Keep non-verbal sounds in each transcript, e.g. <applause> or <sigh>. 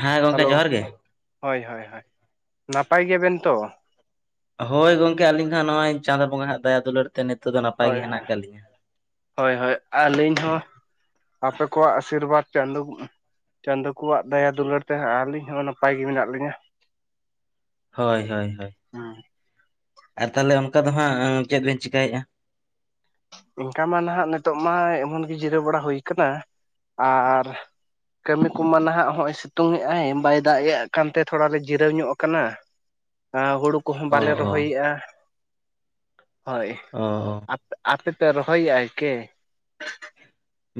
ᱦᱮᱸ ᱜᱚᱝᱠᱮ ᱦᱮᱞᱳ ᱡᱚᱦᱟᱨ ᱜᱮ ᱦᱳᱭ ᱦᱳᱭ ᱦᱳᱭ ᱱᱟᱯᱟᱭ ᱜᱮᱭᱟ ᱵᱮᱱ ᱛᱚ ᱦᱳᱭ ᱜᱚᱝᱠᱮ ᱟᱹᱞᱤᱧ ᱦᱚ ᱱᱚᱜ-ᱚᱭ ᱪᱟᱸᱫᱳ ᱵᱚᱸᱜᱟ ᱦᱟᱜ ᱫᱟᱭᱟ ᱫᱩᱞᱟᱹᱲ ᱛᱮ ᱱᱤᱛᱚᱜ ᱫᱚ ᱱᱟᱯᱟᱭ ᱦᱳᱭ ᱜᱮ ᱦᱮᱱᱟᱜ ᱦᱳᱭ ᱠᱟᱜ ᱞᱤᱧᱟ ᱦᱳᱭ ᱦᱳᱭ ᱟᱹᱞᱤᱧ ᱦᱚᱸ ᱟᱯᱮ ᱠᱚᱣᱟᱜ ᱟᱥᱤᱨᱵᱟᱫᱽ ᱪᱟᱸᱫᱳ ᱪᱟᱸᱫᱚ ᱠᱚᱣᱟᱜ ᱫᱟᱭᱟ ᱫᱩᱞᱟᱹᱲ ᱛᱮ ᱦᱟᱸᱜ ᱟᱹᱞᱤᱧ ᱦᱚᱸ ᱱᱟᱯᱟᱭ ᱜᱮ ᱢᱮᱱᱟᱜ ᱞᱤᱧᱟ ᱦᱳᱭ ᱦᱳᱭ ᱦᱳᱭ ᱦᱮᱸ ᱟᱨ ᱛᱟᱦᱚᱞᱮ ᱚᱱᱠᱟ ᱫᱚ ᱦᱟᱸᱜ ᱪᱮᱫ ᱵᱮᱱ ᱪᱮᱠᱟᱹᱭᱮᱫᱼᱟ ᱤᱱᱠᱟ ᱢᱟ ᱱᱟᱦᱟᱜ ᱱᱤᱛᱚᱜ ᱢᱟ ᱮᱢᱚᱱ ᱜᱮ ᱡᱤᱨᱟᱹᱣ ᱵᱟᱲᱟ ᱦᱩᱭ ᱟᱠᱟᱱᱟ ᱟᱨ ᱠᱟᱹᱢᱤ ᱠᱚᱢᱟ ᱱᱟᱦᱟᱜ ᱦᱚᱸᱜᱼᱚᱭ ᱥᱤᱛᱩᱝ ᱮᱫ-ᱟᱭ ᱵᱟᱭ ᱫᱟᱜ ᱮᱫ ᱠᱟᱱᱛᱮ ᱛᱷᱚᱲᱟ ᱞᱮ ᱡᱤᱨᱟᱹᱣ ᱧᱚᱜ ᱟᱠᱟᱱᱟ <unintelligible> ᱦᱩᱲᱩ ᱠᱚᱦᱚᱸ ᱚ ᱵᱟᱞᱮ ᱚ ᱨᱚᱦᱚᱭᱮᱫᱼᱟ, ᱦᱳᱭ ᱚ ᱟᱯᱮ ᱯᱮ ᱨᱚᱦᱚᱭᱮᱫ-ᱟ ᱠᱮ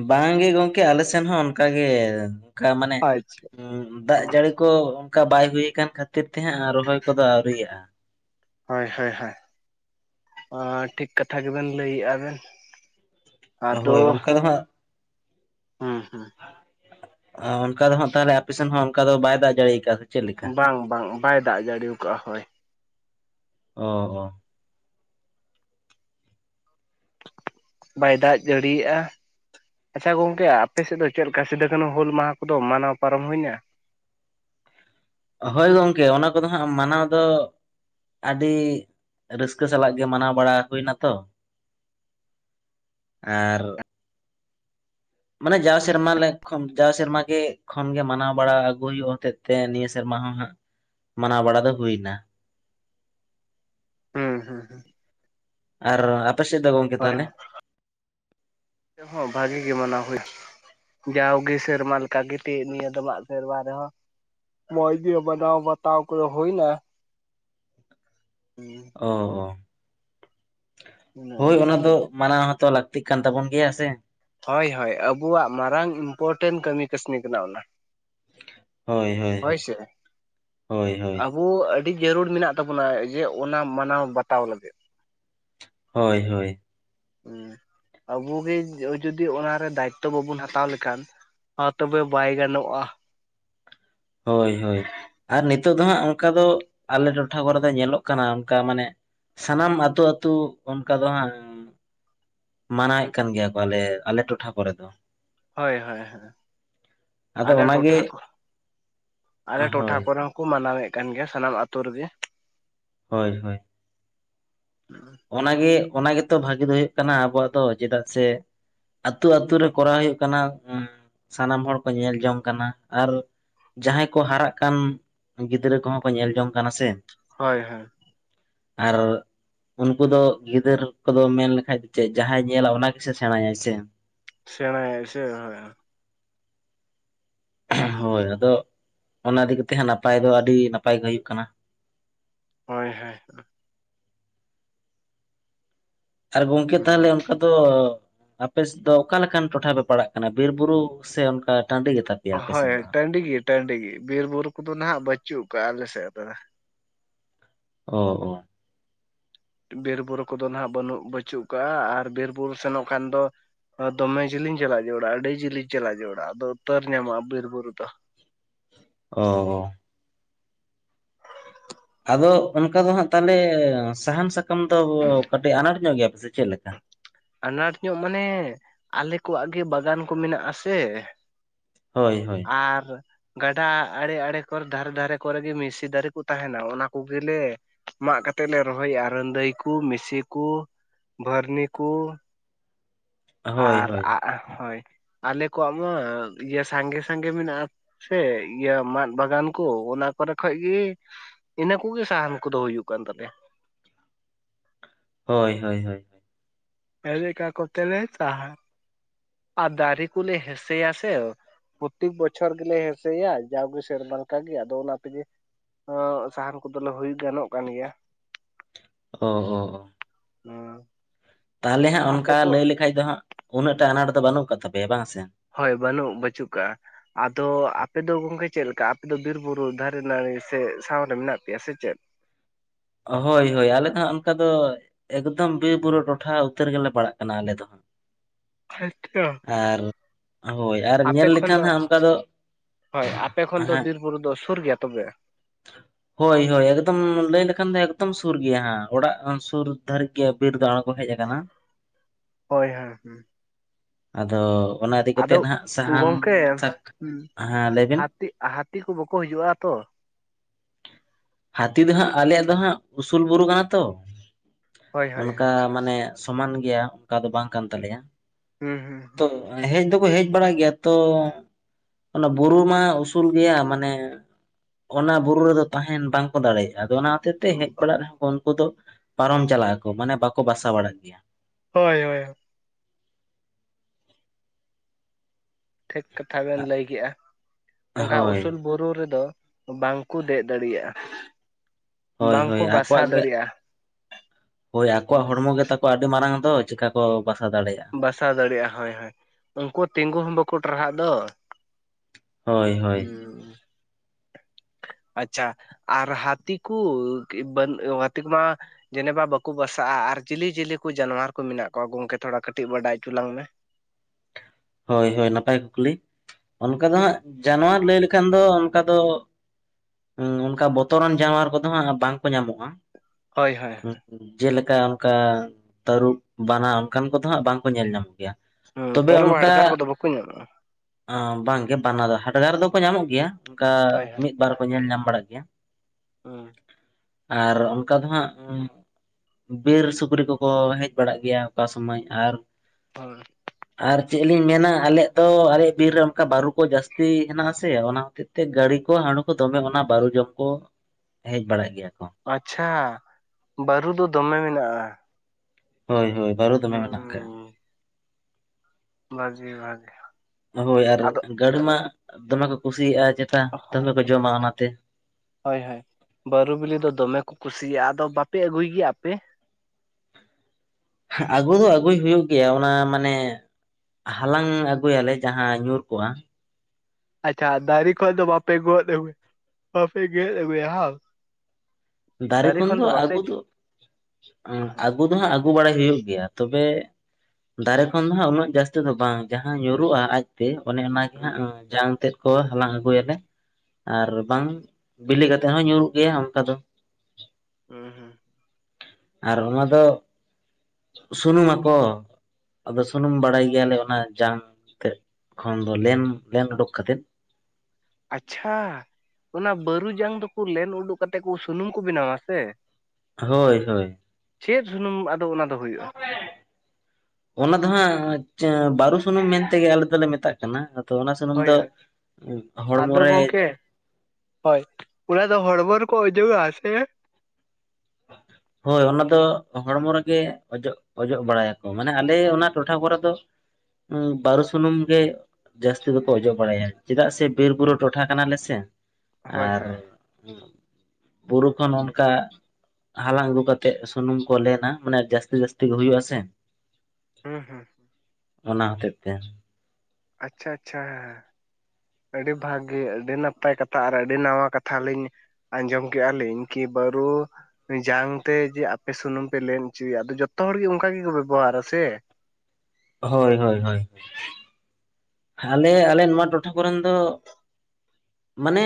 ᱵᱟᱝ ᱜᱮ ᱜᱚᱝᱠᱮ ᱟᱞᱮ ᱥᱮᱱ ᱦᱚᱸ ᱚᱱᱠᱟ ᱜᱮ ᱚᱱᱠᱟ ᱢᱟᱱᱮ ᱟᱪᱪᱷᱟ ᱫᱟᱜ ᱡᱟᱹᱲᱤ ᱠᱚ ᱚᱱᱠᱟ ᱵᱟᱭ ᱦᱩᱭ ᱟᱠᱟᱱ ᱠᱷᱟᱹᱛᱤᱨ ᱛᱮ ᱦᱟᱸᱜ ᱨᱚᱦᱚᱭ ᱠᱚᱫᱚ ᱟᱹᱣᱨᱤᱭᱟᱜᱼᱟ ᱦᱳᱭ ᱦᱳᱭ ᱦᱳᱭ ᱴᱷᱤᱠ ᱠᱟᱛᱷᱟ ᱜᱮ ᱵᱮᱱ ᱞᱟᱹᱭᱮᱫᱼᱟᱵᱮᱱ ᱦᱳᱭ ᱚᱱᱠᱟ ᱫᱚ ᱦᱟᱸᱜ ᱦᱮᱸ ᱦᱮᱸ ᱚᱱᱠᱟ ᱫᱚ ᱦᱟᱜ ᱛᱟᱦᱚᱞᱮ ᱟᱯᱮ ᱥᱮᱱ ᱦᱚᱸ ᱚᱱᱠᱟ ᱫᱚ ᱵᱟᱭ ᱫᱟᱜ ᱡᱟᱲᱤ ᱟᱠᱟᱫ-ᱟ ᱵᱟᱝ ᱵᱟᱝ ᱵᱟᱭ ᱫᱟᱜ ᱡᱟᱲᱤᱭᱟᱣᱟᱠᱟᱫᱼᱟ ᱦᱳᱭ ᱚ ᱚ ᱵᱟᱭ ᱫᱟᱜ ᱡᱟᱹᱲᱤᱭᱮᱜ-ᱟ᱾ ᱟᱪᱪᱷᱟ ᱜᱚᱝᱠᱮ ᱟᱯᱮ ᱥᱮᱫ ᱫᱚ ᱪᱮᱫ ᱞᱮᱠᱟ ᱥᱤᱫᱩ ᱠᱟᱹᱱᱦᱩ ᱦᱩᱞ ᱢᱟᱦᱟᱸ ᱠᱚᱫᱚ ᱢᱟᱱᱟᱣ ᱯᱟᱨᱚᱢ ᱦᱩᱭᱱᱟ? ᱦᱳᱭ ᱜᱚᱝᱠᱮ ᱚᱱᱟ ᱠᱚᱫᱚ ᱦᱟᱸᱜ ᱢᱟᱱᱟᱣ ᱫᱚ ᱟᱹᱰᱤ ᱨᱟᱹᱥᱠᱟᱹ ᱥᱟᱞᱟᱜ ᱜᱮ ᱢᱟᱱᱟᱣ ᱵᱟᱲᱟ ᱦᱩᱭᱱᱟᱛᱚ᱾ ᱟᱨ ᱢᱟᱱᱮ ᱡᱟᱣ ᱥᱮᱨᱢᱟ ᱞᱮ ᱡᱟᱣ ᱥᱮᱨᱢᱟ ᱜᱮ ᱠᱷᱚᱱᱜᱮ ᱢᱟᱱᱟᱣ ᱵᱟᱲᱟ ᱟᱹᱜᱩ ᱦᱩᱭᱩᱜ ᱦᱚᱛᱮᱜ ᱛᱮ ᱱᱤᱭᱟᱹ ᱥᱮᱨᱢᱟ ᱦᱚᱸ ᱦᱟᱸᱜ ᱢᱟᱱᱟᱣ ᱵᱟᱲᱟ ᱫᱚ ᱦᱩᱭ ᱮᱱᱟ᱾ ᱦᱩᱸ ᱦᱩᱸ ᱦᱩᱸ ᱟᱨ ᱟᱯᱮᱥᱮᱫ ᱫᱟ ᱜᱚᱝ ᱦᱳᱭ <unintelligible> ᱦᱚᱸ ᱵᱷᱟᱹᱜᱤ ᱜᱮ ᱢᱟᱱᱟᱣ ᱦᱩᱭ᱾ ᱡᱟᱣᱜᱮ ᱥᱮᱨᱢᱟ ᱞᱮᱠᱟ ᱛᱮᱜ ᱱᱤᱭᱟᱹ ᱫᱚ ᱢᱟᱜ ᱥᱮᱨᱢᱟ ᱨᱮᱦᱚᱸ ᱢᱚᱡ ᱜᱮ ᱢᱟᱱᱟᱣ ᱵᱟᱛᱟᱣ ᱠᱚᱫᱚ ᱦᱩᱭᱱᱟ ᱦᱩᱸ᱾ ᱚ ᱦᱳᱭ ᱚᱱᱟ ᱫᱚ ᱢᱟᱱᱟᱣ ᱦᱟᱛᱟᱣ ᱞᱟᱹᱠ ᱛᱤ ᱠᱟᱱ ᱛᱟᱵᱚᱱ ᱜᱮᱭᱟ ᱥᱮ᱾ ᱦᱳᱭ ᱦᱳᱭ ᱟᱵᱚᱣᱟᱜ ᱢᱟᱨᱟᱝ ᱤᱱᱯᱚᱴᱮᱱᱴ ᱠᱟᱹᱢᱤ ᱠᱟᱹᱥᱱᱤ ᱠᱟᱱᱟ ᱚᱱᱟ᱾ ᱦᱳᱭ ᱥᱮ ᱦᱳᱭ ᱦᱳᱭ ᱟᱵᱚ ᱟᱵᱚ ᱟᱹᱰᱤ ᱡᱟᱹᱨᱩᱲ ᱢᱮᱱᱟᱜ ᱛᱟᱵᱚᱱᱟ ᱡᱮ ᱚᱱᱟ ᱢᱟᱱᱟᱣ ᱵᱟᱛᱟᱣ ᱞᱟᱹᱜᱤᱫ᱾ ᱦᱳᱭ ᱦᱳᱭ ᱦᱮᱸ ᱟᱵᱚᱜᱮ ᱡᱩᱫᱤ ᱚᱱᱟᱨᱮ ᱫᱟᱭᱤᱛᱛᱚ ᱵᱟᱵᱚᱱ ᱦᱟᱛᱟᱣ ᱞᱮᱠᱷᱟᱱ ᱦᱚᱸ ᱛᱚᱵᱮ ᱵᱟᱭ ᱜᱟᱱᱚᱜ-ᱟ᱾ ᱦᱳᱭ ᱦᱳᱭ ᱟᱨ ᱱᱤᱛᱚᱜ ᱫᱚ ᱦᱟᱸᱜ ᱚᱱᱠᱟ ᱫᱚ ᱟᱞᱮ ᱴᱚᱴᱷᱟ ᱠᱚᱨᱮ ᱫᱚ ᱧᱮᱞᱚᱜ ᱠᱟᱱᱟ ᱚᱱᱠᱟ ᱢᱟᱱᱮ ᱥᱟᱱᱟᱢ ᱟᱛᱳ ᱟᱹᱛᱩ ᱚᱱᱠᱟ ᱫᱚ ᱦᱟᱸᱜ ᱢᱟᱱᱟᱣᱮᱫ ᱠᱟᱱ ᱜᱮᱭᱟ ᱠᱚ ᱟᱞᱮ ᱟᱞᱮ ᱴᱚᱴᱷᱟ ᱠᱚᱨᱮ ᱫᱚ᱾ ᱦᱳᱭ ᱦᱳᱭ ᱟᱫᱚ ᱟᱞᱮ ᱚᱱᱟᱜᱮ ᱴᱚᱴᱷᱟ ᱠᱚ ᱟᱞᱮ ᱴᱚᱴᱷᱟ ᱦᱳᱭ ᱠᱚᱨᱮ ᱦᱚᱸ ᱠᱚ ᱢᱟᱱᱟᱣᱮᱫ ᱠᱟᱱ ᱜᱮᱭᱟ ᱥᱟᱱᱟᱢ ᱟᱛᱳ ᱨᱮᱜᱮ᱾ ᱦᱳᱭ ᱦᱳᱭ ᱦᱩᱜ-ᱩ ᱚᱱᱟᱜᱮ ᱚᱱᱟ ᱜᱮᱛᱚ ᱵᱷᱟᱜᱤ ᱫᱚ ᱦᱩᱭᱩᱜ ᱠᱟᱱᱟ ᱟᱵᱚᱣᱟᱜ ᱫᱚ ᱪᱮᱫᱟᱜ ᱥᱮ ᱟᱹᱛᱩ ᱟᱹᱛᱩ ᱨᱮ ᱠᱚᱨᱟᱣ ᱦᱩᱭᱩᱜ ᱠᱟᱱᱟ ᱥᱟᱱᱟᱢ ᱦᱚᱲ ᱠᱚ ᱧᱮᱞ ᱡᱚᱝ ᱠᱟᱱᱟ ᱟᱨ ᱡᱟᱦᱟᱸᱭ ᱠᱚ ᱦᱟᱨᱟᱜ ᱠᱟᱱ ᱜᱤᱫᱽᱨᱟᱹ ᱠᱚᱦᱚᱸ ᱠᱚ ᱧᱮᱞ ᱡᱚᱝ ᱠᱟᱱᱟ ᱥᱮ᱾ ᱦᱳᱭ ᱦᱳᱭ ᱟᱨ ᱩᱱᱠᱩ ᱫᱚ ᱜᱤᱫᱟᱹᱨ ᱠᱚᱫᱚ ᱢᱮᱱ ᱞᱮᱠᱷᱟᱡ ᱫᱚ ᱪᱮᱫ ᱡᱟᱦᱟᱸᱭ ᱧᱮᱞᱟ ᱚᱱᱟ ᱜᱮᱥᱮ ᱥᱮᱸᱬᱟᱭᱟᱭ ᱥᱮ᱾ ᱥᱮᱬᱟᱭᱟᱭ ᱥᱮ ᱦᱳᱭ᱾ ᱦᱳᱭ ᱟᱫᱚ ᱚᱱᱟ ᱤᱫᱤ ᱠᱟᱛᱮᱜ ᱦᱟᱸᱜ ᱱᱟᱯᱟᱭ ᱫᱚ ᱟᱹᱰᱤ ᱱᱟᱯᱟᱭ ᱜᱮ ᱦᱩᱭᱩᱜ ᱠᱟᱱᱟ᱾ ᱦᱳᱭ ᱦᱳᱭ᱾ ᱟᱨ ᱜᱚᱝᱠᱮ ᱛᱟᱦᱚᱞᱮ ᱚᱱᱠᱟ ᱫᱚ ᱟᱯᱮ ᱥᱮᱫ ᱫᱚ ᱚᱠᱟ ᱞᱮᱠᱟᱱ ᱴᱚᱴᱷᱟ ᱯᱮ ᱯᱟᱲᱟᱜ ᱠᱟᱱᱟ ᱵᱤᱨ ᱵᱩᱨᱩ ᱥᱮ ᱚᱱᱠᱟ ᱴᱟᱸᱰᱤ ᱜᱮᱛᱟ ᱯᱮᱭᱟ ᱦᱳᱭ ᱟᱯᱮ ᱥᱮᱱ ᱫᱚ ᱦᱳᱭ ᱴᱟᱸᱰᱤ ᱜᱮ ᱴᱟᱸᱰᱤ ᱜᱮ ᱵᱤᱨ ᱵᱩᱨᱩ ᱠᱚᱫᱚ ᱱᱟᱦᱟᱜ ᱵᱟᱹᱪᱩᱜ ᱠᱟᱜ-ᱟ ᱟᱞᱮᱥᱮᱫ ᱫᱚ᱾ ᱚᱻᱚ ᱵᱤᱨ ᱵᱩᱨᱩ ᱠᱚᱫᱚ ᱱᱟᱦᱟᱜ ᱵᱟᱹᱱᱩᱜ ᱵᱟᱹᱪᱩᱜ ᱠᱟᱜ-ᱟ ᱟᱨ ᱵᱤᱨ ᱵᱩᱨᱩ ᱥᱮᱱᱚᱜ ᱠᱷᱟᱱ ᱫᱚ ᱫᱚᱢᱮ ᱡᱤᱞᱤᱧ ᱪᱟᱞᱟᱜ ᱡᱟᱣᱨᱟ ᱟᱹᱰᱤ ᱡᱤᱞᱤᱧ ᱪᱟᱞᱟᱣ ᱡᱟᱣᱨᱟ ᱟᱫᱚ ᱩᱛᱟᱹᱨ ᱧᱟᱢᱚᱜ-ᱟ ᱵᱤᱨ ᱵᱩᱨᱩ ᱫᱚ᱾ ᱚ ᱟᱫᱚ ᱚᱱᱠᱟ ᱫᱚ ᱦᱟᱸᱜ ᱛᱟᱦᱚᱞᱮ ᱥᱟᱦᱟᱱ ᱥᱟᱠᱟᱢ ᱫᱚ ᱠᱟᱹᱴᱤᱡ ᱟᱱᱟᱴ ᱧᱚᱜ ᱜᱮᱭᱟ ᱯᱮ ᱥᱮ ᱪᱮᱫ ᱞᱮᱠᱟ? ᱟᱱᱟᱴ ᱧᱚᱜ ᱢᱟᱱᱮ ᱟᱞᱮ ᱠᱚᱣᱟᱜ ᱜᱮ ᱵᱟᱜᱟᱱ ᱠᱚ ᱢᱮᱱᱟᱜ ᱟᱥᱮ ᱦᱳᱭ ᱦᱳᱭ ᱟᱨ ᱜᱟᱰᱟ ᱟᱲᱮ ᱟᱲᱮ ᱠᱚᱨᱮ ᱫᱷᱟᱨᱮ ᱫᱷᱟᱨᱮ ᱠᱚᱨᱮ ᱜᱮ ᱢᱤᱥᱤ ᱫᱟᱨᱮ ᱠᱚ ᱛᱟᱸᱦᱮᱱᱟ ᱚᱱᱟ ᱠᱚᱜᱮᱞᱮ ᱢᱟᱜ ᱠᱟᱛᱮᱫ ᱞᱮ ᱨᱚᱦᱚᱭᱮᱜ-ᱟ ᱨᱟᱹᱱᱫᱟᱹᱭ ᱠᱩ ᱢᱤᱥᱤ ᱠᱩ ᱵᱷᱟᱹᱨᱱᱤ ᱩᱱᱠᱩ ᱦᱳᱭ ᱦᱳᱭ ᱟᱨ ᱦᱳᱭ ᱟᱞᱮ ᱠᱚᱣᱟᱜ ᱢᱟ ᱤᱭᱟᱹ ᱥᱟᱸᱜᱮ ᱥᱟᱸᱜᱮ ᱢᱮᱱᱟᱜᱼᱟ ᱥᱮ ᱤᱭᱟᱹ ᱢᱟᱫ ᱵᱟᱜᱟᱱ ᱠᱚ ᱚᱱᱟ ᱠᱚᱨᱮ ᱠᱷᱚᱡ ᱜᱤ ᱤᱱᱟᱹ ᱠᱚᱜᱮ ᱥᱟᱦᱟᱱ ᱠᱚᱫᱚ ᱦᱩᱭᱩᱜ ᱠᱟᱱ ᱛᱟᱞᱮᱭᱟ ᱦᱳᱭ ᱦᱳᱭ ᱦᱳᱭ ᱚᱱᱟ ᱠᱚᱛᱮ ᱞᱮ ᱥᱟᱦᱟᱱ ᱟᱨ ᱫᱟᱨᱤ ᱠᱩᱞᱤ ᱦᱮᱸᱥᱮᱭᱟ ᱥᱮ ᱯᱚᱛᱛᱤᱠ ᱵᱚᱪᱷᱚᱨ ᱜᱮᱞᱮ ᱦᱮᱸᱥᱮᱭᱟ ᱡᱟᱣ ᱜᱮ ᱥᱮᱨᱢᱟ ᱞᱮᱠᱟ ᱜᱮ ᱟᱫᱚ ᱚᱱᱟ ᱛᱮᱜᱮ ᱥᱟᱦᱟᱱ ᱠᱚᱫᱚ ᱞᱮ ᱦᱩᱭ ᱜᱟᱱᱚᱜ ᱠᱟᱱ ᱜᱮᱭᱟ ᱚ ᱦᱚ ᱦᱮᱸ ᱛᱟᱦᱚᱞᱮ ᱦᱟᱸᱜ ᱚᱱᱠᱟ ᱞᱟᱹᱭ ᱞᱮᱠᱷᱟᱡ ᱫᱚ ᱦᱟᱸᱜ ᱩᱱᱟᱹᱜᱴᱟ ᱟᱱᱟᱴ ᱫᱚ ᱵᱟᱹᱱᱩᱜ ᱠᱟᱫ ᱛᱟᱯᱮᱭᱟ ᱵᱟᱝ ᱥᱮ ᱦᱳᱭ ᱵᱟᱹᱱᱩᱜ ᱵᱟᱹᱪᱩᱜ ᱠᱟᱜᱼᱟ ᱟᱫᱚ ᱟᱯᱮ ᱫᱚ ᱜᱚᱝᱠᱮ ᱪᱮᱫ ᱞᱮᱠᱟ ᱟᱯᱮ ᱫᱚ ᱵᱤᱨ ᱵᱩᱨᱩ ᱫᱟᱨᱮ ᱱᱟᱹᱲᱤ ᱥᱮ ᱥᱟᱶᱨᱮ ᱢᱮᱱᱟᱜ ᱯᱮᱭᱟ ᱥᱮ ᱪᱮᱫ ᱦᱳᱭ ᱦᱳᱭ ᱟᱞᱮ ᱫᱚ ᱦᱟᱸᱜ ᱚᱱᱠᱟ ᱫᱚ ᱮᱠᱫᱚᱢ ᱵᱤᱨ ᱵᱩᱨᱩ ᱴᱚᱴᱷᱟ ᱩᱛᱟᱹᱨ ᱜᱮᱞᱮ ᱯᱟᱲᱟᱜ ᱠᱟᱱᱟ ᱟᱞᱮ ᱫᱚ <unintelligible> ᱟᱪᱪᱷᱟ ᱟᱨ ᱦᱳᱭ ᱟᱨ ᱟᱯᱮ ᱧᱮᱞ ᱠᱷᱚᱱ ᱞᱮᱠᱷᱟᱱ ᱦᱟᱸᱜ ᱚᱱᱠᱟ ᱫᱚ ᱦᱳᱭ ᱟᱯᱮ ᱠᱷᱚᱱ ᱫᱚ ᱦᱮᱸ ᱵᱤᱨ ᱵᱩᱨᱩ ᱫᱚ ᱥᱩᱨ ᱜᱮᱭᱟ ᱛᱚᱵᱮ ᱦᱳᱭ ᱦᱳᱭ ᱮᱫᱚᱢ ᱞᱟᱹᱭ ᱞᱮᱠ ᱷᱟᱱ ᱫᱚ ᱮᱠᱫᱚᱢ ᱥᱩᱨ ᱜᱮᱭᱟ ᱦᱟᱸᱜ ᱚᱲᱟᱜ ᱥᱩᱨ ᱫᱷᱟᱹᱨᱤᱡ ᱜᱮᱭᱟ ᱵᱤᱨ ᱫᱚ ᱟᱬᱜᱚ ᱦᱮᱡ ᱟᱠᱟᱱᱟ ᱦᱳᱭ ᱦᱳᱭ ᱦᱩᱸ ᱟᱫᱚ ᱚᱱᱟ ᱤᱫᱤ ᱟᱫᱚ ᱠᱟᱛᱮᱫ ᱦᱟᱸᱜ ᱥᱟᱦᱟᱱ ᱜᱚᱝᱠᱮ ᱥᱟᱠ ᱦᱮᱸ ᱞᱟᱹᱭ ᱵᱤᱱ ᱠᱟᱹᱴᱤᱡ ᱦᱟᱹᱛᱤ ᱠᱚ ᱵᱟᱠᱩ ᱦᱤᱡᱩᱜᱼᱟ ᱛᱚ ᱦᱟᱹᱛᱤ ᱫᱚ ᱦᱟᱸᱜ ᱟᱞᱮᱭᱼᱟᱜ ᱫᱚ ᱦᱟᱸᱜ ᱩᱥᱩᱞ ᱵᱩᱨᱩ ᱠᱟᱱᱟ ᱛᱚ ᱦᱳᱭ ᱦᱳᱭ ᱚᱱᱠᱟ ᱦᱳᱭ ᱢᱟᱱᱮ ᱥᱚᱢᱟᱱ ᱜᱮᱭᱟ ᱚᱱᱠᱟ ᱫᱚ ᱵᱟᱝ ᱠᱟᱱ ᱛᱟᱞᱮᱭᱟ ᱦᱩᱸ ᱦᱩᱸ ᱦᱩᱸ ᱛᱚ ᱦᱮᱡ ᱫᱚᱠᱚ ᱦᱮᱡ ᱵᱟᱲᱟᱜ ᱜᱮᱭᱟ ᱛᱚ ᱚᱱᱟ ᱵᱩᱨᱩ ᱢᱟ ᱩᱥᱩᱞ ᱜᱮᱭᱟ, ᱢᱟᱱᱮ ᱚᱱᱟ ᱵᱩᱨᱩ ᱨᱮᱫᱚ ᱛᱟᱦᱮᱱ ᱵᱟᱠᱚ ᱫᱟᱲᱮᱭᱟᱜᱼᱟ ᱟᱫᱚ ᱚᱱᱟ ᱦᱚᱛᱮᱡ ᱛᱮ ᱦᱮᱡ ᱵᱟᱲᱟᱜ ᱨᱮᱦᱚᱸ ᱩᱱᱠᱩ ᱫᱚ ᱯᱟᱨᱚᱢ ᱪᱟᱞᱟᱜ ᱟᱠᱚ ᱢᱟᱱᱮ ᱵᱟᱠᱚ ᱵᱟᱥᱟ ᱵᱟᱲᱟᱜ ᱜᱮᱭᱟ ᱾ ᱦᱳᱭ ᱦᱳᱭ ᱴᱷᱤᱠ ᱠᱟᱛᱷᱟ ᱵᱮᱱ ᱞᱟᱹᱭ ᱠᱮᱫᱼᱟ ᱚᱱᱠᱟ ᱦᱳᱭ ᱩᱥᱩᱞ ᱵᱩ ᱨᱩ ᱨᱮᱫᱚ ᱵᱟᱝ ᱠᱚ ᱫᱮᱡ ᱫᱟᱲᱮᱭᱟᱜᱼᱟ ᱾ ᱦᱳᱭ ᱦᱳᱭ ᱟᱠᱚᱣᱟᱜ ᱜᱮ ᱦᱳᱭ ᱟᱠᱚᱣᱟᱜ ᱦᱩᱸ ᱦᱚᱲᱢᱚ ᱜᱮ ᱛᱟᱠ ᱚ ᱟᱹᱰᱤ ᱢᱟᱨᱟᱝ ᱫᱚ ᱪᱤᱠᱟ ᱠᱚ ᱵᱟᱥᱟ ᱫᱟᱲᱮᱭᱟᱜᱼᱟ ᱾ ᱵᱟᱥᱟᱣ ᱫᱟᱲᱮᱭᱟᱜᱼᱟ ᱦᱳᱭ ᱦᱳᱭ ᱩᱱᱠᱩ ᱛᱤᱸᱜᱩ ᱦᱚᱸ ᱵᱟᱠᱚ ᱴᱟᱨᱦᱟᱜ ᱫᱚ ᱾ ᱦᱳᱭ ᱦᱳᱭ ᱦᱮᱸ <unintelligible> ᱟᱪᱪᱷᱟ ᱟᱨ ᱦᱟᱹᱛᱤ ᱠᱚ ᱵᱟᱹᱱᱩᱜ ᱦᱟᱹᱛᱤ ᱠᱚᱢᱟ ᱡᱮᱱᱮᱵᱟ ᱵᱟᱠᱚ ᱵᱟᱥᱟᱜᱼᱟ ᱟᱨ ᱪᱤᱞᱤ ᱪᱤᱞᱤ ᱠᱚ ᱡᱟᱱᱣᱟᱨ ᱠᱚ ᱢᱮᱱᱟᱜ ᱠᱚᱣᱟ ᱜᱚᱝᱠᱮ ᱛᱷᱚᱲᱟ ᱠᱟᱹᱴᱤᱡ ᱵᱟᱰᱟᱭ ᱦᱚᱪᱚ ᱞᱟᱝ ᱢᱮ? ᱦᱳᱭ ᱦᱳᱭ ᱱᱟᱯᱟᱭ ᱠᱩᱠᱞᱤ ᱚᱱᱠᱟ ᱫᱚ ᱦᱟᱸᱜ ᱡᱟᱱᱣᱟᱨ ᱞᱟᱹᱭ ᱞᱮᱠᱷᱟᱱ ᱫᱚ ᱚᱱᱠᱟ ᱫᱚ, ᱦᱚᱸ ᱚᱱᱠᱟ ᱵᱚᱛᱚᱨᱟᱱ ᱡᱟᱱᱣᱟᱨ ᱠᱚᱫᱚ ᱦᱟᱸᱜ ᱵᱟᱝᱠᱚ ᱧᱟᱢᱚᱜᱼᱟ ᱾ ᱦᱳᱭ ᱦᱳᱭ ᱾ ᱡᱮᱞᱮᱠᱟ ᱚᱱᱠᱟ ᱛᱟᱹᱨᱩᱵ ᱵᱟᱱᱟ ᱚᱱᱠᱟᱱ ᱠᱚᱫᱚ ᱦᱟᱸᱜ ᱵᱟᱝᱠᱚ ᱧᱮᱞ ᱧᱟᱢ ᱜᱮᱭᱟ ᱾ ᱦᱩᱸ ᱛᱟᱹᱨᱩᱵᱽ ᱦᱟᱰᱜᱟᱨ ᱠᱚᱫᱚ ᱵᱟᱠᱚ ᱧᱟᱢᱚᱜᱼᱟ? ᱵᱟᱝ ᱜᱮ ᱵᱟᱱᱟ ᱫᱚ ᱦᱟᱰᱜᱟᱨ ᱫᱚᱠᱚ ᱧᱟᱢᱚᱜ ᱜᱮᱭᱟ ᱚᱱᱠᱟ ᱦᱳᱭ ᱢᱤᱫ, ᱵᱟᱨ ᱠᱚ ᱧᱮᱞ ᱧᱟᱢ ᱵᱟᱲᱟᱜ ᱜᱮᱭᱟ ᱾ ᱦᱩᱸ ᱟᱨ ᱚᱱᱠᱟ ᱫᱚ ᱦᱟᱸᱜ, ᱵᱤᱨ ᱥᱩᱠᱨᱤ ᱠᱚᱠᱚ ᱦᱮᱡ ᱵᱟᱲᱟᱜ ᱜᱮᱭᱟ ᱚᱠᱟ ᱥᱚᱢᱚᱭ ᱟᱨ, ᱦᱳᱭ ᱟᱨ ᱪᱮᱫ ᱞᱤᱧ ᱢᱮᱱᱟ ᱟᱞᱮᱭᱟᱜ ᱫᱚ, ᱟᱞᱮᱭᱟᱜ ᱵᱤᱨ ᱨᱮ ᱚᱱᱠᱟ ᱵᱟᱹᱨᱩ ᱠᱚ ᱡᱟᱹᱥᱛᱤ ᱦᱮᱱᱟᱜᱼᱟ ᱥᱮ, ᱚᱱᱟ ᱦᱚᱛᱮᱡ ᱮᱱᱛᱮ ᱜᱟᱹᱲᱤ ᱠᱚ, ᱦᱟᱬᱩ ᱠᱚ ᱫᱚᱢᱮ ᱚᱱᱟ ᱵᱟᱨᱩ ᱡᱚᱢ ᱠᱚ ᱦᱮᱡ ᱵᱟᱲᱟᱜ ᱜᱮᱭᱟ ᱠᱚ᱾ ᱟᱪᱪᱷᱟ ᱵᱟᱹᱨᱩ ᱫᱚ ᱫᱚᱢᱮ ᱢᱮᱱᱟᱜᱼᱟ᱾ ᱦᱳᱭ, ᱦᱳᱭ ᱵᱟᱨᱩ ᱫᱚᱢᱮ ᱢᱮᱱᱟᱜ ᱟᱠᱟᱜᱫᱼᱟ᱾ ᱦᱩᱸ ᱵᱷᱟᱜᱮ ᱵᱷᱟᱜᱮ ᱦᱳᱭ, ᱟᱫᱚ ᱟᱨ ᱜᱟᱹᱲᱤ ᱢᱟ ᱫᱚᱢᱮ ᱠᱚ ᱠᱩᱥᱤᱭᱟᱜᱼᱟ᱾ ᱡᱮᱼᱛᱟ ᱫᱚᱢᱮ ᱠᱚ ᱡᱚᱢᱟ ᱚᱱᱟᱛᱮ᱾ ᱦᱳᱭ ᱦᱳᱭ, ᱵᱟᱹᱨᱩ ᱵᱤᱞᱤ ᱫᱚ ᱫᱚᱢᱮ ᱠᱚ ᱠᱩᱥᱤᱭᱟᱜᱼᱟ, ᱟᱫᱚ ᱵᱟᱯᱮ ᱟᱹᱜᱩᱭ ᱜᱮᱭᱟ ᱟᱯᱮ? ᱟᱹᱜᱩ ᱫᱚ ᱟᱹᱜᱩᱭ ᱦᱩᱭᱩᱜ ᱜᱮᱭᱟ, ᱚᱱᱟ ᱢᱟᱱᱮ ᱦᱟᱞᱟᱝ ᱟᱹᱜᱩᱭᱟᱞᱮ ᱡᱟᱦᱟᱸ ᱧᱩᱨ ᱠᱚᱜᱼᱟ᱾ ᱟᱪᱪᱷᱟ ᱫᱟᱨᱮ ᱠᱷᱚᱡ ᱫᱚ ᱵᱟᱯᱮ ᱜᱚᱫ ᱟᱜᱩᱭ, ᱵᱟᱯᱮ ᱜᱮᱫ ᱟᱹᱜᱩᱭᱟ ᱦᱟᱝ? ᱫᱟᱨᱮ ᱠᱷᱚᱱ ᱫᱚ ᱟᱹᱜᱩ ᱫᱚ, ᱟᱸ ᱟᱹᱜᱩ ᱫᱚ ᱦᱟᱸᱜ ᱟᱹᱜᱩ ᱵᱟᱲᱟᱭ ᱦᱩᱭᱩᱜ ᱜᱮᱭᱟ᱾ ᱛᱚᱵᱮ ᱫᱟᱨᱮ ᱠᱷᱚᱱ ᱫᱚ ᱦᱟᱸᱜ ᱩᱱᱟᱹᱜ ᱡᱟᱹᱥᱛᱤ ᱫᱚ ᱵᱟᱝ, ᱡᱟᱦᱟᱸ ᱧᱩᱨᱩᱜᱼᱟ ᱟᱡ ᱛᱮ ᱚᱱᱮ ᱚᱱᱟᱜᱮ ᱦᱩᱸ ᱦᱟᱸᱜ ᱡᱟᱝ ᱛᱮᱫ ᱠᱚ ᱦᱟᱞᱟᱝ ᱟᱹᱜᱩᱭᱟᱞᱮ᱾ ᱟᱨ ᱵᱟᱝ, ᱵᱤᱞᱤ ᱠᱟᱛᱮ ᱦᱚᱸ ᱧᱩᱨᱩᱜ ᱜᱮᱭᱟ ᱚᱱᱠᱟ ᱫᱚ᱾ ᱦᱮᱸ ᱦᱩᱸ᱾ ᱟᱨ ᱚᱱᱟ ᱫᱚ ᱥᱩᱱᱩᱢ ᱟᱠᱚ᱾ ᱟᱫᱚ ᱥᱩᱱᱩᱢ ᱵᱟᱲᱟᱭ ᱜᱮᱭᱟᱞᱮ ᱚᱱᱟ ᱡᱟᱝ ᱛᱮᱫ ᱠᱷᱚᱱ ᱫᱚ, ᱞᱮᱱ ᱞᱮᱱ ᱩᱰᱩᱠ ᱠᱟᱛᱮᱜ᱾ ᱟᱪᱪᱷᱟ᱾ ᱚᱱᱟ ᱵᱟᱹᱨᱩ ᱡᱟᱝ ᱫᱚᱠᱚ ᱞᱮᱱ ᱩᱸᱰᱩᱠ ᱠᱟᱛᱮᱫ ᱠᱚ, ᱥᱩᱱᱩᱢ ᱠᱚ ᱵᱮᱱᱟᱣᱟ ᱥᱮ? ᱦᱳᱭ ᱦᱳᱭ᱾ ᱪᱮᱫ ᱥᱩᱱᱩᱢ ᱟᱫᱚ ᱚᱱᱟ ᱫᱚ ᱦᱩᱭᱩᱜᱼᱟ? ᱚᱱᱟ ᱫᱚ ᱦᱟᱸᱜ, ᱟᱪᱪᱷᱟ ᱵᱟᱨᱩ ᱥᱩᱱᱩᱢ ᱢᱮᱱᱛᱮᱜᱮ ᱟᱞᱮ ᱫᱚᱞᱮ ᱢᱮᱛᱟᱜ ᱠᱟᱱᱟ᱾ ᱟᱫᱚ ᱚᱱᱟ ᱥᱩᱱᱩᱢ ᱦᱳᱭ ᱫᱚ ᱦᱳᱭ ᱦᱚᱲᱢᱚ ᱟᱫᱚ ᱨᱮ ᱜᱚᱝᱠᱮ ᱦᱳᱭ, ᱚᱱᱟ ᱫᱚ ᱦᱚᱲᱢᱚ ᱨᱮᱠᱚ ᱚᱡᱚᱜᱼᱟ, ᱥᱮ? ᱦᱳᱭ, ᱚᱱᱟ ᱫᱚ ᱦᱚᱲᱢᱚ ᱨᱮᱜᱮ ᱚᱡᱚᱜ ᱚᱡᱚᱜ ᱵᱟᱲᱟᱭᱟᱠᱚ᱾ ᱢᱟᱱᱮ ᱟᱞᱮ ᱚᱱᱟ ᱴᱚᱴᱷᱟ ᱠᱚᱨᱮ ᱫᱚ, ᱩᱸᱢ ᱵᱟᱨᱩ ᱥᱩᱱᱩᱢ ᱜᱮ ᱡᱟᱹᱥᱛᱤ ᱫᱚᱠᱚ ᱚᱡᱚᱜ ᱵᱟᱲᱟᱭᱟ, ᱪᱮᱫᱟᱜ ᱥᱮ ᱵᱤᱨ ᱵᱩᱨᱩ ᱴᱚᱴᱷᱟ ᱠᱟᱱᱟᱞᱮᱥᱮ᱾ ᱟᱨ, ᱦᱳᱭ ᱦᱩᱸ ᱵᱩᱨᱩ ᱠᱷᱚᱱ ᱚᱱᱠᱟ ᱦᱟᱞᱟᱝ ᱟᱹᱜᱩ ᱠᱟᱛᱮᱜ ᱥᱩᱱᱩᱢ ᱠᱚ ᱞᱮᱱᱟ᱾ ᱢᱟᱱᱮ ᱡᱟᱹᱥᱛᱤ ᱡᱟᱹᱥᱛᱤ ᱜᱮ ᱦᱩᱭᱩᱜᱼᱟ ᱥᱮ᱾ ᱦᱩᱸ ᱦᱩᱸ᱾ ᱚᱱᱟ ᱦᱚᱛᱮᱫ ᱛᱮ᱾ ᱟᱪᱪᱷᱟ ᱟᱪᱪᱷᱟ, ᱦᱮᱸ᱾ ᱟᱹᱰᱤ ᱵᱷᱟᱹᱜᱤ ᱟᱹᱰᱤ ᱱᱟᱯᱟᱭ ᱠᱟᱛᱷᱟ, ᱟᱨ ᱟᱹᱰᱤ ᱱᱟᱣᱟ ᱠᱟᱛᱷᱟᱞᱤᱧ ᱟᱸᱡᱚᱢ ᱠᱮᱫᱮᱜᱼᱟ ᱞᱤᱧ ᱠᱤ ᱵᱟᱹᱨᱩ ᱡᱟᱝᱛᱮ ᱡᱮ ᱟᱯᱮ ᱥᱩᱱᱩᱢ ᱯᱮ ᱞᱮᱱ ᱦᱚᱪᱚᱭᱟ, ᱟᱫᱚ ᱡᱚᱛᱚ ᱦᱚᱲ ᱜᱮ ᱚᱱᱠᱟ ᱜᱮᱠᱚ ᱵᱮᱵᱚᱦᱟᱨᱟ ᱥᱮ᱾ ᱦᱳᱭ ᱦᱳᱭ ᱦᱳᱭ᱾ ᱟᱞᱮ, ᱟᱞᱮ ᱱᱚᱣᱟ ᱴᱚᱴᱷᱟ ᱠᱚᱨᱮᱱ ᱫᱚ <inaudible> ᱢᱟᱱᱮ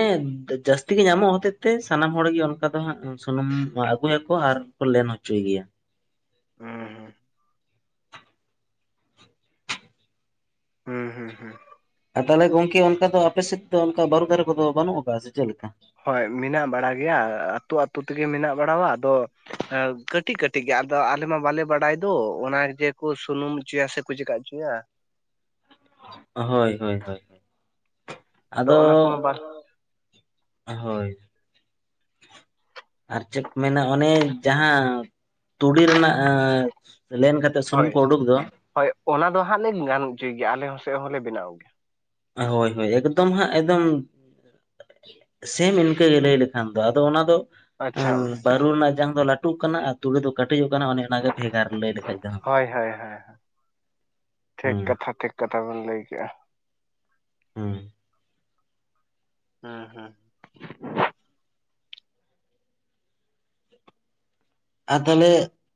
ᱡᱟᱹᱥᱛᱤ ᱜᱮ ᱧᱟᱢᱚᱜ ᱦᱚᱛᱮᱛ ᱛᱮ, ᱥᱟᱱᱟᱢ ᱦᱚᱲᱜᱮ ᱚᱱᱠᱟ ᱫᱚ ᱦᱟᱸᱜ ᱥᱩᱱᱩᱢ ᱟᱹᱜᱩᱭᱟᱠᱚ, ᱟᱨ ᱯᱮᱞᱮᱱ ᱦᱚᱪᱚᱭ ᱜᱮᱭᱟ᱾ ᱦᱩᱸ ᱦᱩᱸ᱾ ᱦᱩᱸ ᱦᱩᱸ ᱦᱩᱸ᱾ ᱟᱨ ᱛᱟᱦᱚᱞᱮ ᱜᱚᱝᱠᱮ ᱚᱱᱠᱟ ᱫᱚ ᱟᱯᱮ ᱥᱮᱫ ᱫᱚ ᱚᱱᱠᱟ ᱵᱟᱹᱨᱩ ᱫᱟᱨᱮ ᱠᱚᱫᱚ ᱵᱟᱹᱱᱩᱜ ᱟᱠᱟᱜᱼᱟ, ᱥᱮ ᱪᱮᱫᱞᱮᱠᱟ? ᱦᱳᱭ, ᱢᱮᱱᱟᱜ ᱵᱟᱲᱟ ᱜᱮᱭᱟ ᱟᱹᱛᱳ ᱟᱹᱛᱳ ᱛᱮᱜᱮ ᱢᱮᱱᱟᱜ ᱵᱟᱲᱟᱣᱟ᱾ ᱟᱫᱚ ᱟᱸ ᱠᱟᱹᱴᱤᱡ ᱠᱟᱹᱴᱤᱡ ᱜᱮ, ᱟᱫᱚ ᱟᱞᱮ ᱢᱟ ᱵᱟᱞᱮ ᱵᱟᱰᱟᱭ ᱫᱚ ᱚᱱᱟ ᱡᱮᱠᱚ ᱥᱩᱱᱩᱢ ᱦᱚᱪᱚᱭᱟ, ᱥᱮ ᱠᱩ ᱪᱮᱠᱟᱜ ᱪᱚᱭᱟ᱾ ᱦᱳᱭ ᱦᱳᱭ ᱦᱳᱭ, ᱚᱱᱟ ᱠᱚᱢᱟ ᱟᱫᱚ ᱵᱟᱝ ᱦᱳᱭ᱾ ᱟᱨ ᱪᱮᱫ ᱠᱚ ᱢᱮᱱᱟ, ᱚᱱᱮ ᱡᱟᱦᱟᱸ ᱛᱩᱲᱤ ᱨᱮᱱᱟᱜ, ᱟᱸᱻ ᱞᱮᱱᱠᱟᱛᱮᱫ ᱦᱳᱭ ᱥᱩᱱᱩᱢᱠᱩ ᱩᱸᱰᱩᱠ ᱫᱚ᱾ ᱦᱳᱭ, ᱚᱱᱟ ᱫᱚ ᱦᱟᱸᱜ ᱞᱮ ᱜᱟᱱ ᱦᱚᱪᱚᱭ ᱜᱮᱭᱟ ᱟᱞᱮ ᱦᱚᱸ ᱥᱮᱫ ᱦᱚᱸᱞᱮ ᱵᱮᱱᱟᱣ ᱜᱮᱭᱟ᱾ ᱦᱳᱭ ᱦᱳᱭ ᱮᱠᱫᱚᱢ ᱦᱟᱸᱜ ᱮᱠᱫᱚᱢ ᱥᱮᱢ ᱤᱱᱠᱟᱹᱜ ᱜᱮ ᱞᱟᱹᱭ ᱞᱮᱠᱷᱟᱱ ᱫᱚ ᱟᱫᱚ ᱚᱱᱟ ᱫᱚ ᱟᱪᱪᱷᱟ ᱵᱟᱹᱨᱩ ᱨᱮᱱᱟᱜ ᱡᱟᱝ ᱫᱚ ᱞᱟᱹᱴᱩᱜ ᱠᱟᱱᱟᱼᱼ ᱛᱩᱲᱟᱹ ᱫᱚ ᱠᱟᱹᱴᱤᱡᱚᱜ ᱠᱟᱱᱟ ᱚᱱᱮ ᱚᱱᱟᱱᱟᱜᱮ ᱵᱷᱮᱜᱟᱨ ᱞᱟᱹᱭ ᱞᱮᱠᱷᱟᱡ ᱫᱚᱦ ᱦᱳᱭ ᱦᱳᱭ ᱦᱳᱭ ᱴᱷᱤᱠ ᱦᱩᱸ ᱠᱟᱛᱷᱟ ᱴᱷᱤᱠ ᱠᱟᱛᱷᱟ ᱵᱮᱱ ᱞᱟᱹᱭ ᱠᱮᱜᱼᱟ᱾ ᱦᱩᱸ ᱦᱩᱸ ᱦᱩᱸ ᱟᱨ ᱛᱟᱦᱚᱞᱮ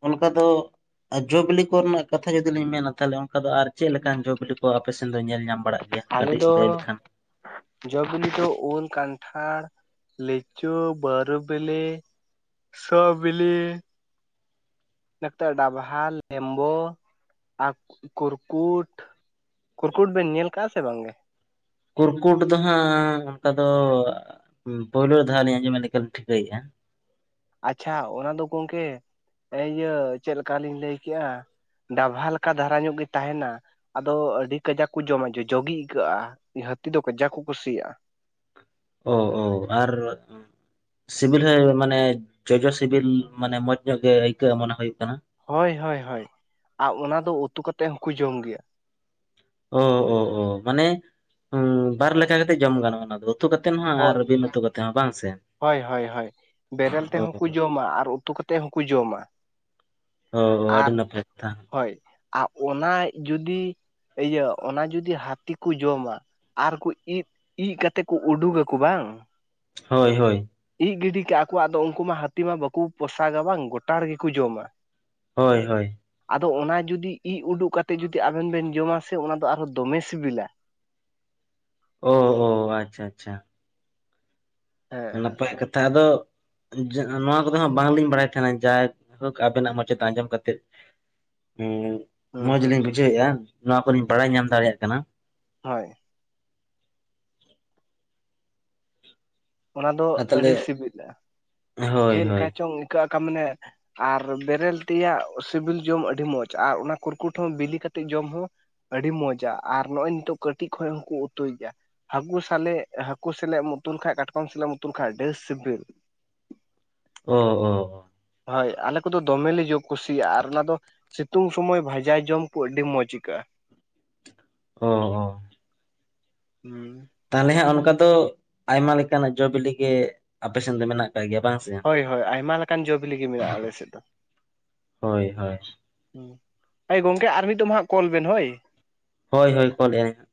ᱚᱱᱠᱟ ᱫᱚᱼᱼ ᱟᱨ ᱡᱚ ᱵᱤᱞᱤ ᱠᱚ ᱨᱮᱱᱟᱜ ᱠᱟᱛᱷᱟ ᱡᱚᱫᱤ ᱞᱤᱧ ᱢᱮᱱᱟ ᱛᱟᱦᱚᱞᱮ ᱚᱱᱠᱟ ᱫᱚ ᱟᱨ ᱪᱮᱫ ᱞᱮᱠᱟᱱ ᱡᱚ ᱵᱤᱞᱤ ᱠᱚ ᱟᱯᱮ ᱥᱮᱱ ᱫᱚ ᱧᱮᱞ ᱧᱟᱢᱼᱼ ᱟᱞᱮ ᱫᱚ ᱡᱚᱼᱵᱤᱞᱤ ᱫᱚ ᱤᱞ ᱠᱟᱱᱴᱷᱟᱲᱼᱼ ᱞᱤᱪᱩ ᱵᱟᱨᱩᱵᱤᱞᱤ ᱥᱚᱵᱤᱞᱤᱼ ᱱᱮᱛᱮ ᱰᱟᱵᱷᱟ ᱞᱮᱢᱵᱳ ᱟᱨ ᱠᱩᱨᱠᱩᱴ, ᱠᱩᱨᱠᱩᱴ ᱵᱮᱱ ᱧᱮᱞ ᱠᱟᱜᱼᱟ ᱥᱮ ᱵᱟᱝᱜᱮ? ᱠᱩᱨᱠᱩᱴ ᱫᱚ ᱦᱟᱸᱜ ᱚᱱᱠᱟ ᱫᱚ ᱯᱳᱭᱞᱳ ᱫᱷᱟᱣ ᱞᱤᱧ ᱟᱸᱡᱚᱢᱮᱫ ᱞᱮᱠᱟ ᱞᱤᱧ ᱴᱷᱤᱠᱟᱹᱭᱮᱫᱼᱟ᱾ ᱟᱪᱪᱷᱟ ᱚᱱᱟ ᱫᱚ ᱜᱚᱝᱠᱮ ᱤᱭᱟᱹ ᱪᱮᱫᱠᱟ ᱞᱤᱧ ᱞᱟᱹᱭ ᱠᱮᱜᱼᱟᱼᱼ ᱰᱟᱵᱷᱟ ᱞᱮᱠᱟ ᱫᱷᱟᱨᱟ ᱧᱚᱜ ᱜᱮ ᱛᱟᱦᱮᱱᱟ᱾ ᱟᱫᱚ ᱟᱹᱰᱤ ᱠᱟᱡᱟᱠ ᱠᱚ ᱡᱚᱢᱟ ᱡᱚᱡᱚ ᱟᱹᱭᱠᱟᱹᱜᱼᱟ ᱦᱟᱹᱛᱤ ᱫᱚ ᱠᱟᱡᱟᱠ ᱠᱚ ᱠᱩᱥᱤᱭᱟᱜᱼᱟ᱾ ᱳ ᱳ ᱟᱨ ᱥᱤᱵᱤᱞ ᱦᱚᱸ ᱢᱟᱱᱮ ᱡᱚᱡᱚ ᱥᱤᱵᱤᱞ ᱢᱟᱱᱮ ᱢᱚᱸᱡᱽ ᱧᱚᱜ ᱜᱮ ᱟᱹᱭᱠᱟᱹᱜᱼᱟ ᱢᱚᱱᱮ ᱦᱩᱭᱩᱜ ᱠᱟᱱᱟ? ᱦᱳᱭ ᱦᱳᱭ ᱦᱳᱭ ᱟᱨ ᱚᱱᱟ ᱫᱚ ᱩᱛᱩ ᱠᱟᱛᱮᱫ ᱦᱚᱸᱠᱚ ᱡᱚᱢ ᱜᱮᱭᱟ᱾ ᱳ ᱳ ᱳ ᱢᱟᱱᱮ ᱵᱟᱨ ᱞᱮᱠᱟ ᱠᱟᱛᱮᱜ ᱡᱚᱢ ᱜᱟᱱᱚᱜᱼᱟ ᱚᱱᱟ ᱫᱚ ᱩᱛᱩ ᱠᱟᱛᱮ ᱦᱚᱸ ᱟᱨ ᱦᱳᱭ ᱵᱤᱱ ᱩᱛᱩ ᱠᱟᱛᱮ ᱦᱚᱸ ᱵᱟᱝ ᱥᱮ ᱦᱳᱭ ᱦᱳᱭ ᱦᱳᱭ ᱵᱮᱨᱮᱞ ᱛᱮᱦᱚᱸ ᱠᱚ ᱡᱚᱢᱟ ᱟᱨ ᱩᱛᱩ ᱠᱟᱛᱮ ᱦᱚᱸᱠᱚ ᱡᱚᱢᱟ ᱚ ᱚ ᱟᱹᱰᱤ ᱟᱨ ᱱᱟᱯᱟᱭ ᱠᱟᱛᱷᱟ ᱦᱳᱭ ᱟᱨ ᱚᱱᱟ ᱡᱩᱫᱤ ᱤᱭᱟᱹ ᱚᱱᱟ ᱡᱩᱫᱤ ᱦᱟᱹᱛᱤ ᱠᱚ ᱡᱚᱢᱟ ᱟᱨ ᱠᱚ ᱤᱫ ᱤᱪ ᱠᱟᱛᱮ ᱠᱚ ᱩᱰᱩᱠᱼᱼ ᱠᱩ ᱵᱟᱝ ᱦᱳᱭ ᱦᱳᱭ ᱤᱡ ᱜᱤᱰᱤ ᱠᱟᱜ ᱟᱠᱚᱣᱟᱜ ᱫᱚ ᱩᱱᱠᱩ ᱢᱟ ᱦᱟᱹᱛᱤ ᱢᱟ ᱵᱟᱠᱚ ᱯᱚᱥᱟᱜᱟ ᱵᱟᱝ ᱜᱚᱴᱟ ᱨᱮᱜᱮ ᱠᱚ ᱡᱚᱢᱟ᱾ ᱦᱳᱭ ᱦᱳᱭ ᱟᱫᱚ ᱚᱱᱟ ᱡᱩᱫᱤ ᱤᱜ ᱩᱰᱩᱠ ᱠᱟᱛᱮ ᱡᱩᱫᱤ ᱟᱵᱮᱱ ᱵᱮᱱ ᱡᱚᱢᱟ ᱥᱮ ᱚᱱᱟ ᱫᱚ ᱟᱨᱚᱸ ᱫᱚᱢᱮ ᱥᱤᱵᱤᱞᱟ᱾ ᱚᱸ ᱚᱸ ᱟᱪᱪᱷᱟ ᱟᱪᱪᱷᱟ ᱦᱮᱸ ᱦᱮᱸ ᱱᱟᱯᱟᱭ ᱠᱟᱛᱷᱟ ᱟᱫᱚᱼ ᱱᱚᱣᱟ ᱠᱚᱫᱚ ᱵᱟᱝ ᱞᱤᱧ ᱵᱟᱲᱟᱭ ᱛᱟᱦᱮᱱᱟ ᱡᱟᱭᱦᱳᱠ ᱟᱵᱮᱱᱟᱜ ᱢᱚᱪᱟ ᱛᱮ ᱟᱸᱡᱚᱢ ᱠᱟᱛᱮᱫᱼᱼ ᱦᱩᱸ ᱢᱚᱡ ᱦᱩᱸ ᱞᱤᱧ ᱦᱩᱸ ᱵᱩᱡᱷᱟᱹᱣᱮᱜ-ᱟ ᱱᱚᱣᱟ ᱠᱚᱞᱤᱧ ᱵᱟᱲᱟᱭ ᱧᱟᱢ ᱫᱟᱲᱮᱭᱟᱜ ᱠᱟᱱᱟ᱾ ᱦᱳᱭ ᱚᱱᱟ ᱫᱚ ᱟᱨ ᱛᱟᱦᱚᱞᱮ ᱟᱹᱰᱤ ᱥᱤᱵᱤᱞᱟ ᱦᱳᱭ ᱪᱮᱞᱠᱟ ᱦᱳᱭ ᱪᱚᱝ ᱤᱠᱟᱹᱜ ᱟᱠᱟ ᱢᱟᱱᱮ ᱟᱨ ᱵᱮᱨᱮᱞ ᱛᱮᱭᱟᱜ ᱥᱤᱵᱤᱞ ᱡᱚᱢ ᱟᱹᱰᱤ ᱢᱚᱸᱡ ᱟᱨ ᱚᱱᱟ ᱠᱩᱨᱠᱩᱴ ᱦᱚᱸ ᱵᱤᱞᱤ ᱠᱟᱛᱮᱫ ᱡᱚᱢ ᱦᱚᱸ ᱟᱹᱰᱤ ᱢᱚᱸᱡ-ᱟ ᱟᱨ ᱱᱚᱜ ᱚᱭ ᱱᱤᱛᱚᱜ ᱠᱟᱹᱴᱤᱡ ᱠᱷᱚᱱ ᱦᱚᱸᱠᱚ ᱩᱛᱩᱭ ᱜᱮᱭᱟ᱾ ᱦᱟᱹᱠᱩ ᱥᱟᱞᱮᱜ ᱦᱟᱹᱠᱩ ᱥᱟᱞᱟᱜ ᱮᱢ ᱩᱛᱩ ᱠᱷᱟᱡ ᱠᱟᱴᱠᱚᱢ ᱥᱟᱞᱟᱜ ᱮᱢ ᱩᱛᱩ ᱠᱷᱟᱡ ᱟᱰᱤ ᱥᱤᱵᱤᱞ᱾ ᱚᱸ ᱚᱸ ᱦᱳᱭ ᱟᱞᱮ ᱠᱚᱫᱚ ᱫᱚᱢᱮᱞᱮ ᱡᱳ ᱠᱩᱥᱤᱭᱟᱜ-ᱟ ᱟᱨ ᱚᱱᱟ ᱫᱚᱼ ᱥᱤᱛᱩᱝ ᱥᱚᱢᱚᱭ ᱵᱷᱟᱡᱟ ᱡᱚᱢᱠᱩ ᱟᱹᱰᱤ ᱢᱚᱸᱡᱽ ᱟᱹᱭᱠᱟᱹᱜ-ᱟ ᱚ ᱚ ᱦᱩᱸ ᱛᱟᱞᱦᱮ ᱦᱟᱸᱜ ᱚᱱᱠᱟ ᱫᱚ ᱟᱭᱢᱟ ᱞᱮᱠᱟᱱᱟᱜ ᱡᱚ ᱵᱤᱞᱤ ᱜᱮ ᱟᱯᱮ ᱥᱮᱱ ᱫᱚ ᱢᱮᱱᱟᱜ ᱟᱠᱟᱜ ᱜᱮᱭᱟ ᱵᱟᱝ? ᱥᱮ ᱦᱳᱭ ᱦᱳᱭ ᱟᱭᱢᱟ ᱞᱮᱠᱟᱱ ᱡᱚ ᱵᱤᱞᱤ ᱜᱮ ᱢᱮᱱᱟᱜ-ᱟ ᱟᱞᱮ ᱥᱮᱫ ᱫᱚ᱾ ᱦᱳᱭ ᱦᱳᱭ ᱦᱩᱸ ᱦᱳᱭ ᱜᱚᱝᱠᱮ ᱟᱨ ᱢᱤᱫ ᱫᱚᱢ ᱦᱟᱜ ᱠᱚᱞ ᱵᱮᱱ ᱦᱳᱭ᱾ ᱦᱳᱭ ᱦᱳᱭ ᱠᱚᱞᱮᱜ ᱟᱹᱧ ᱦᱟᱜ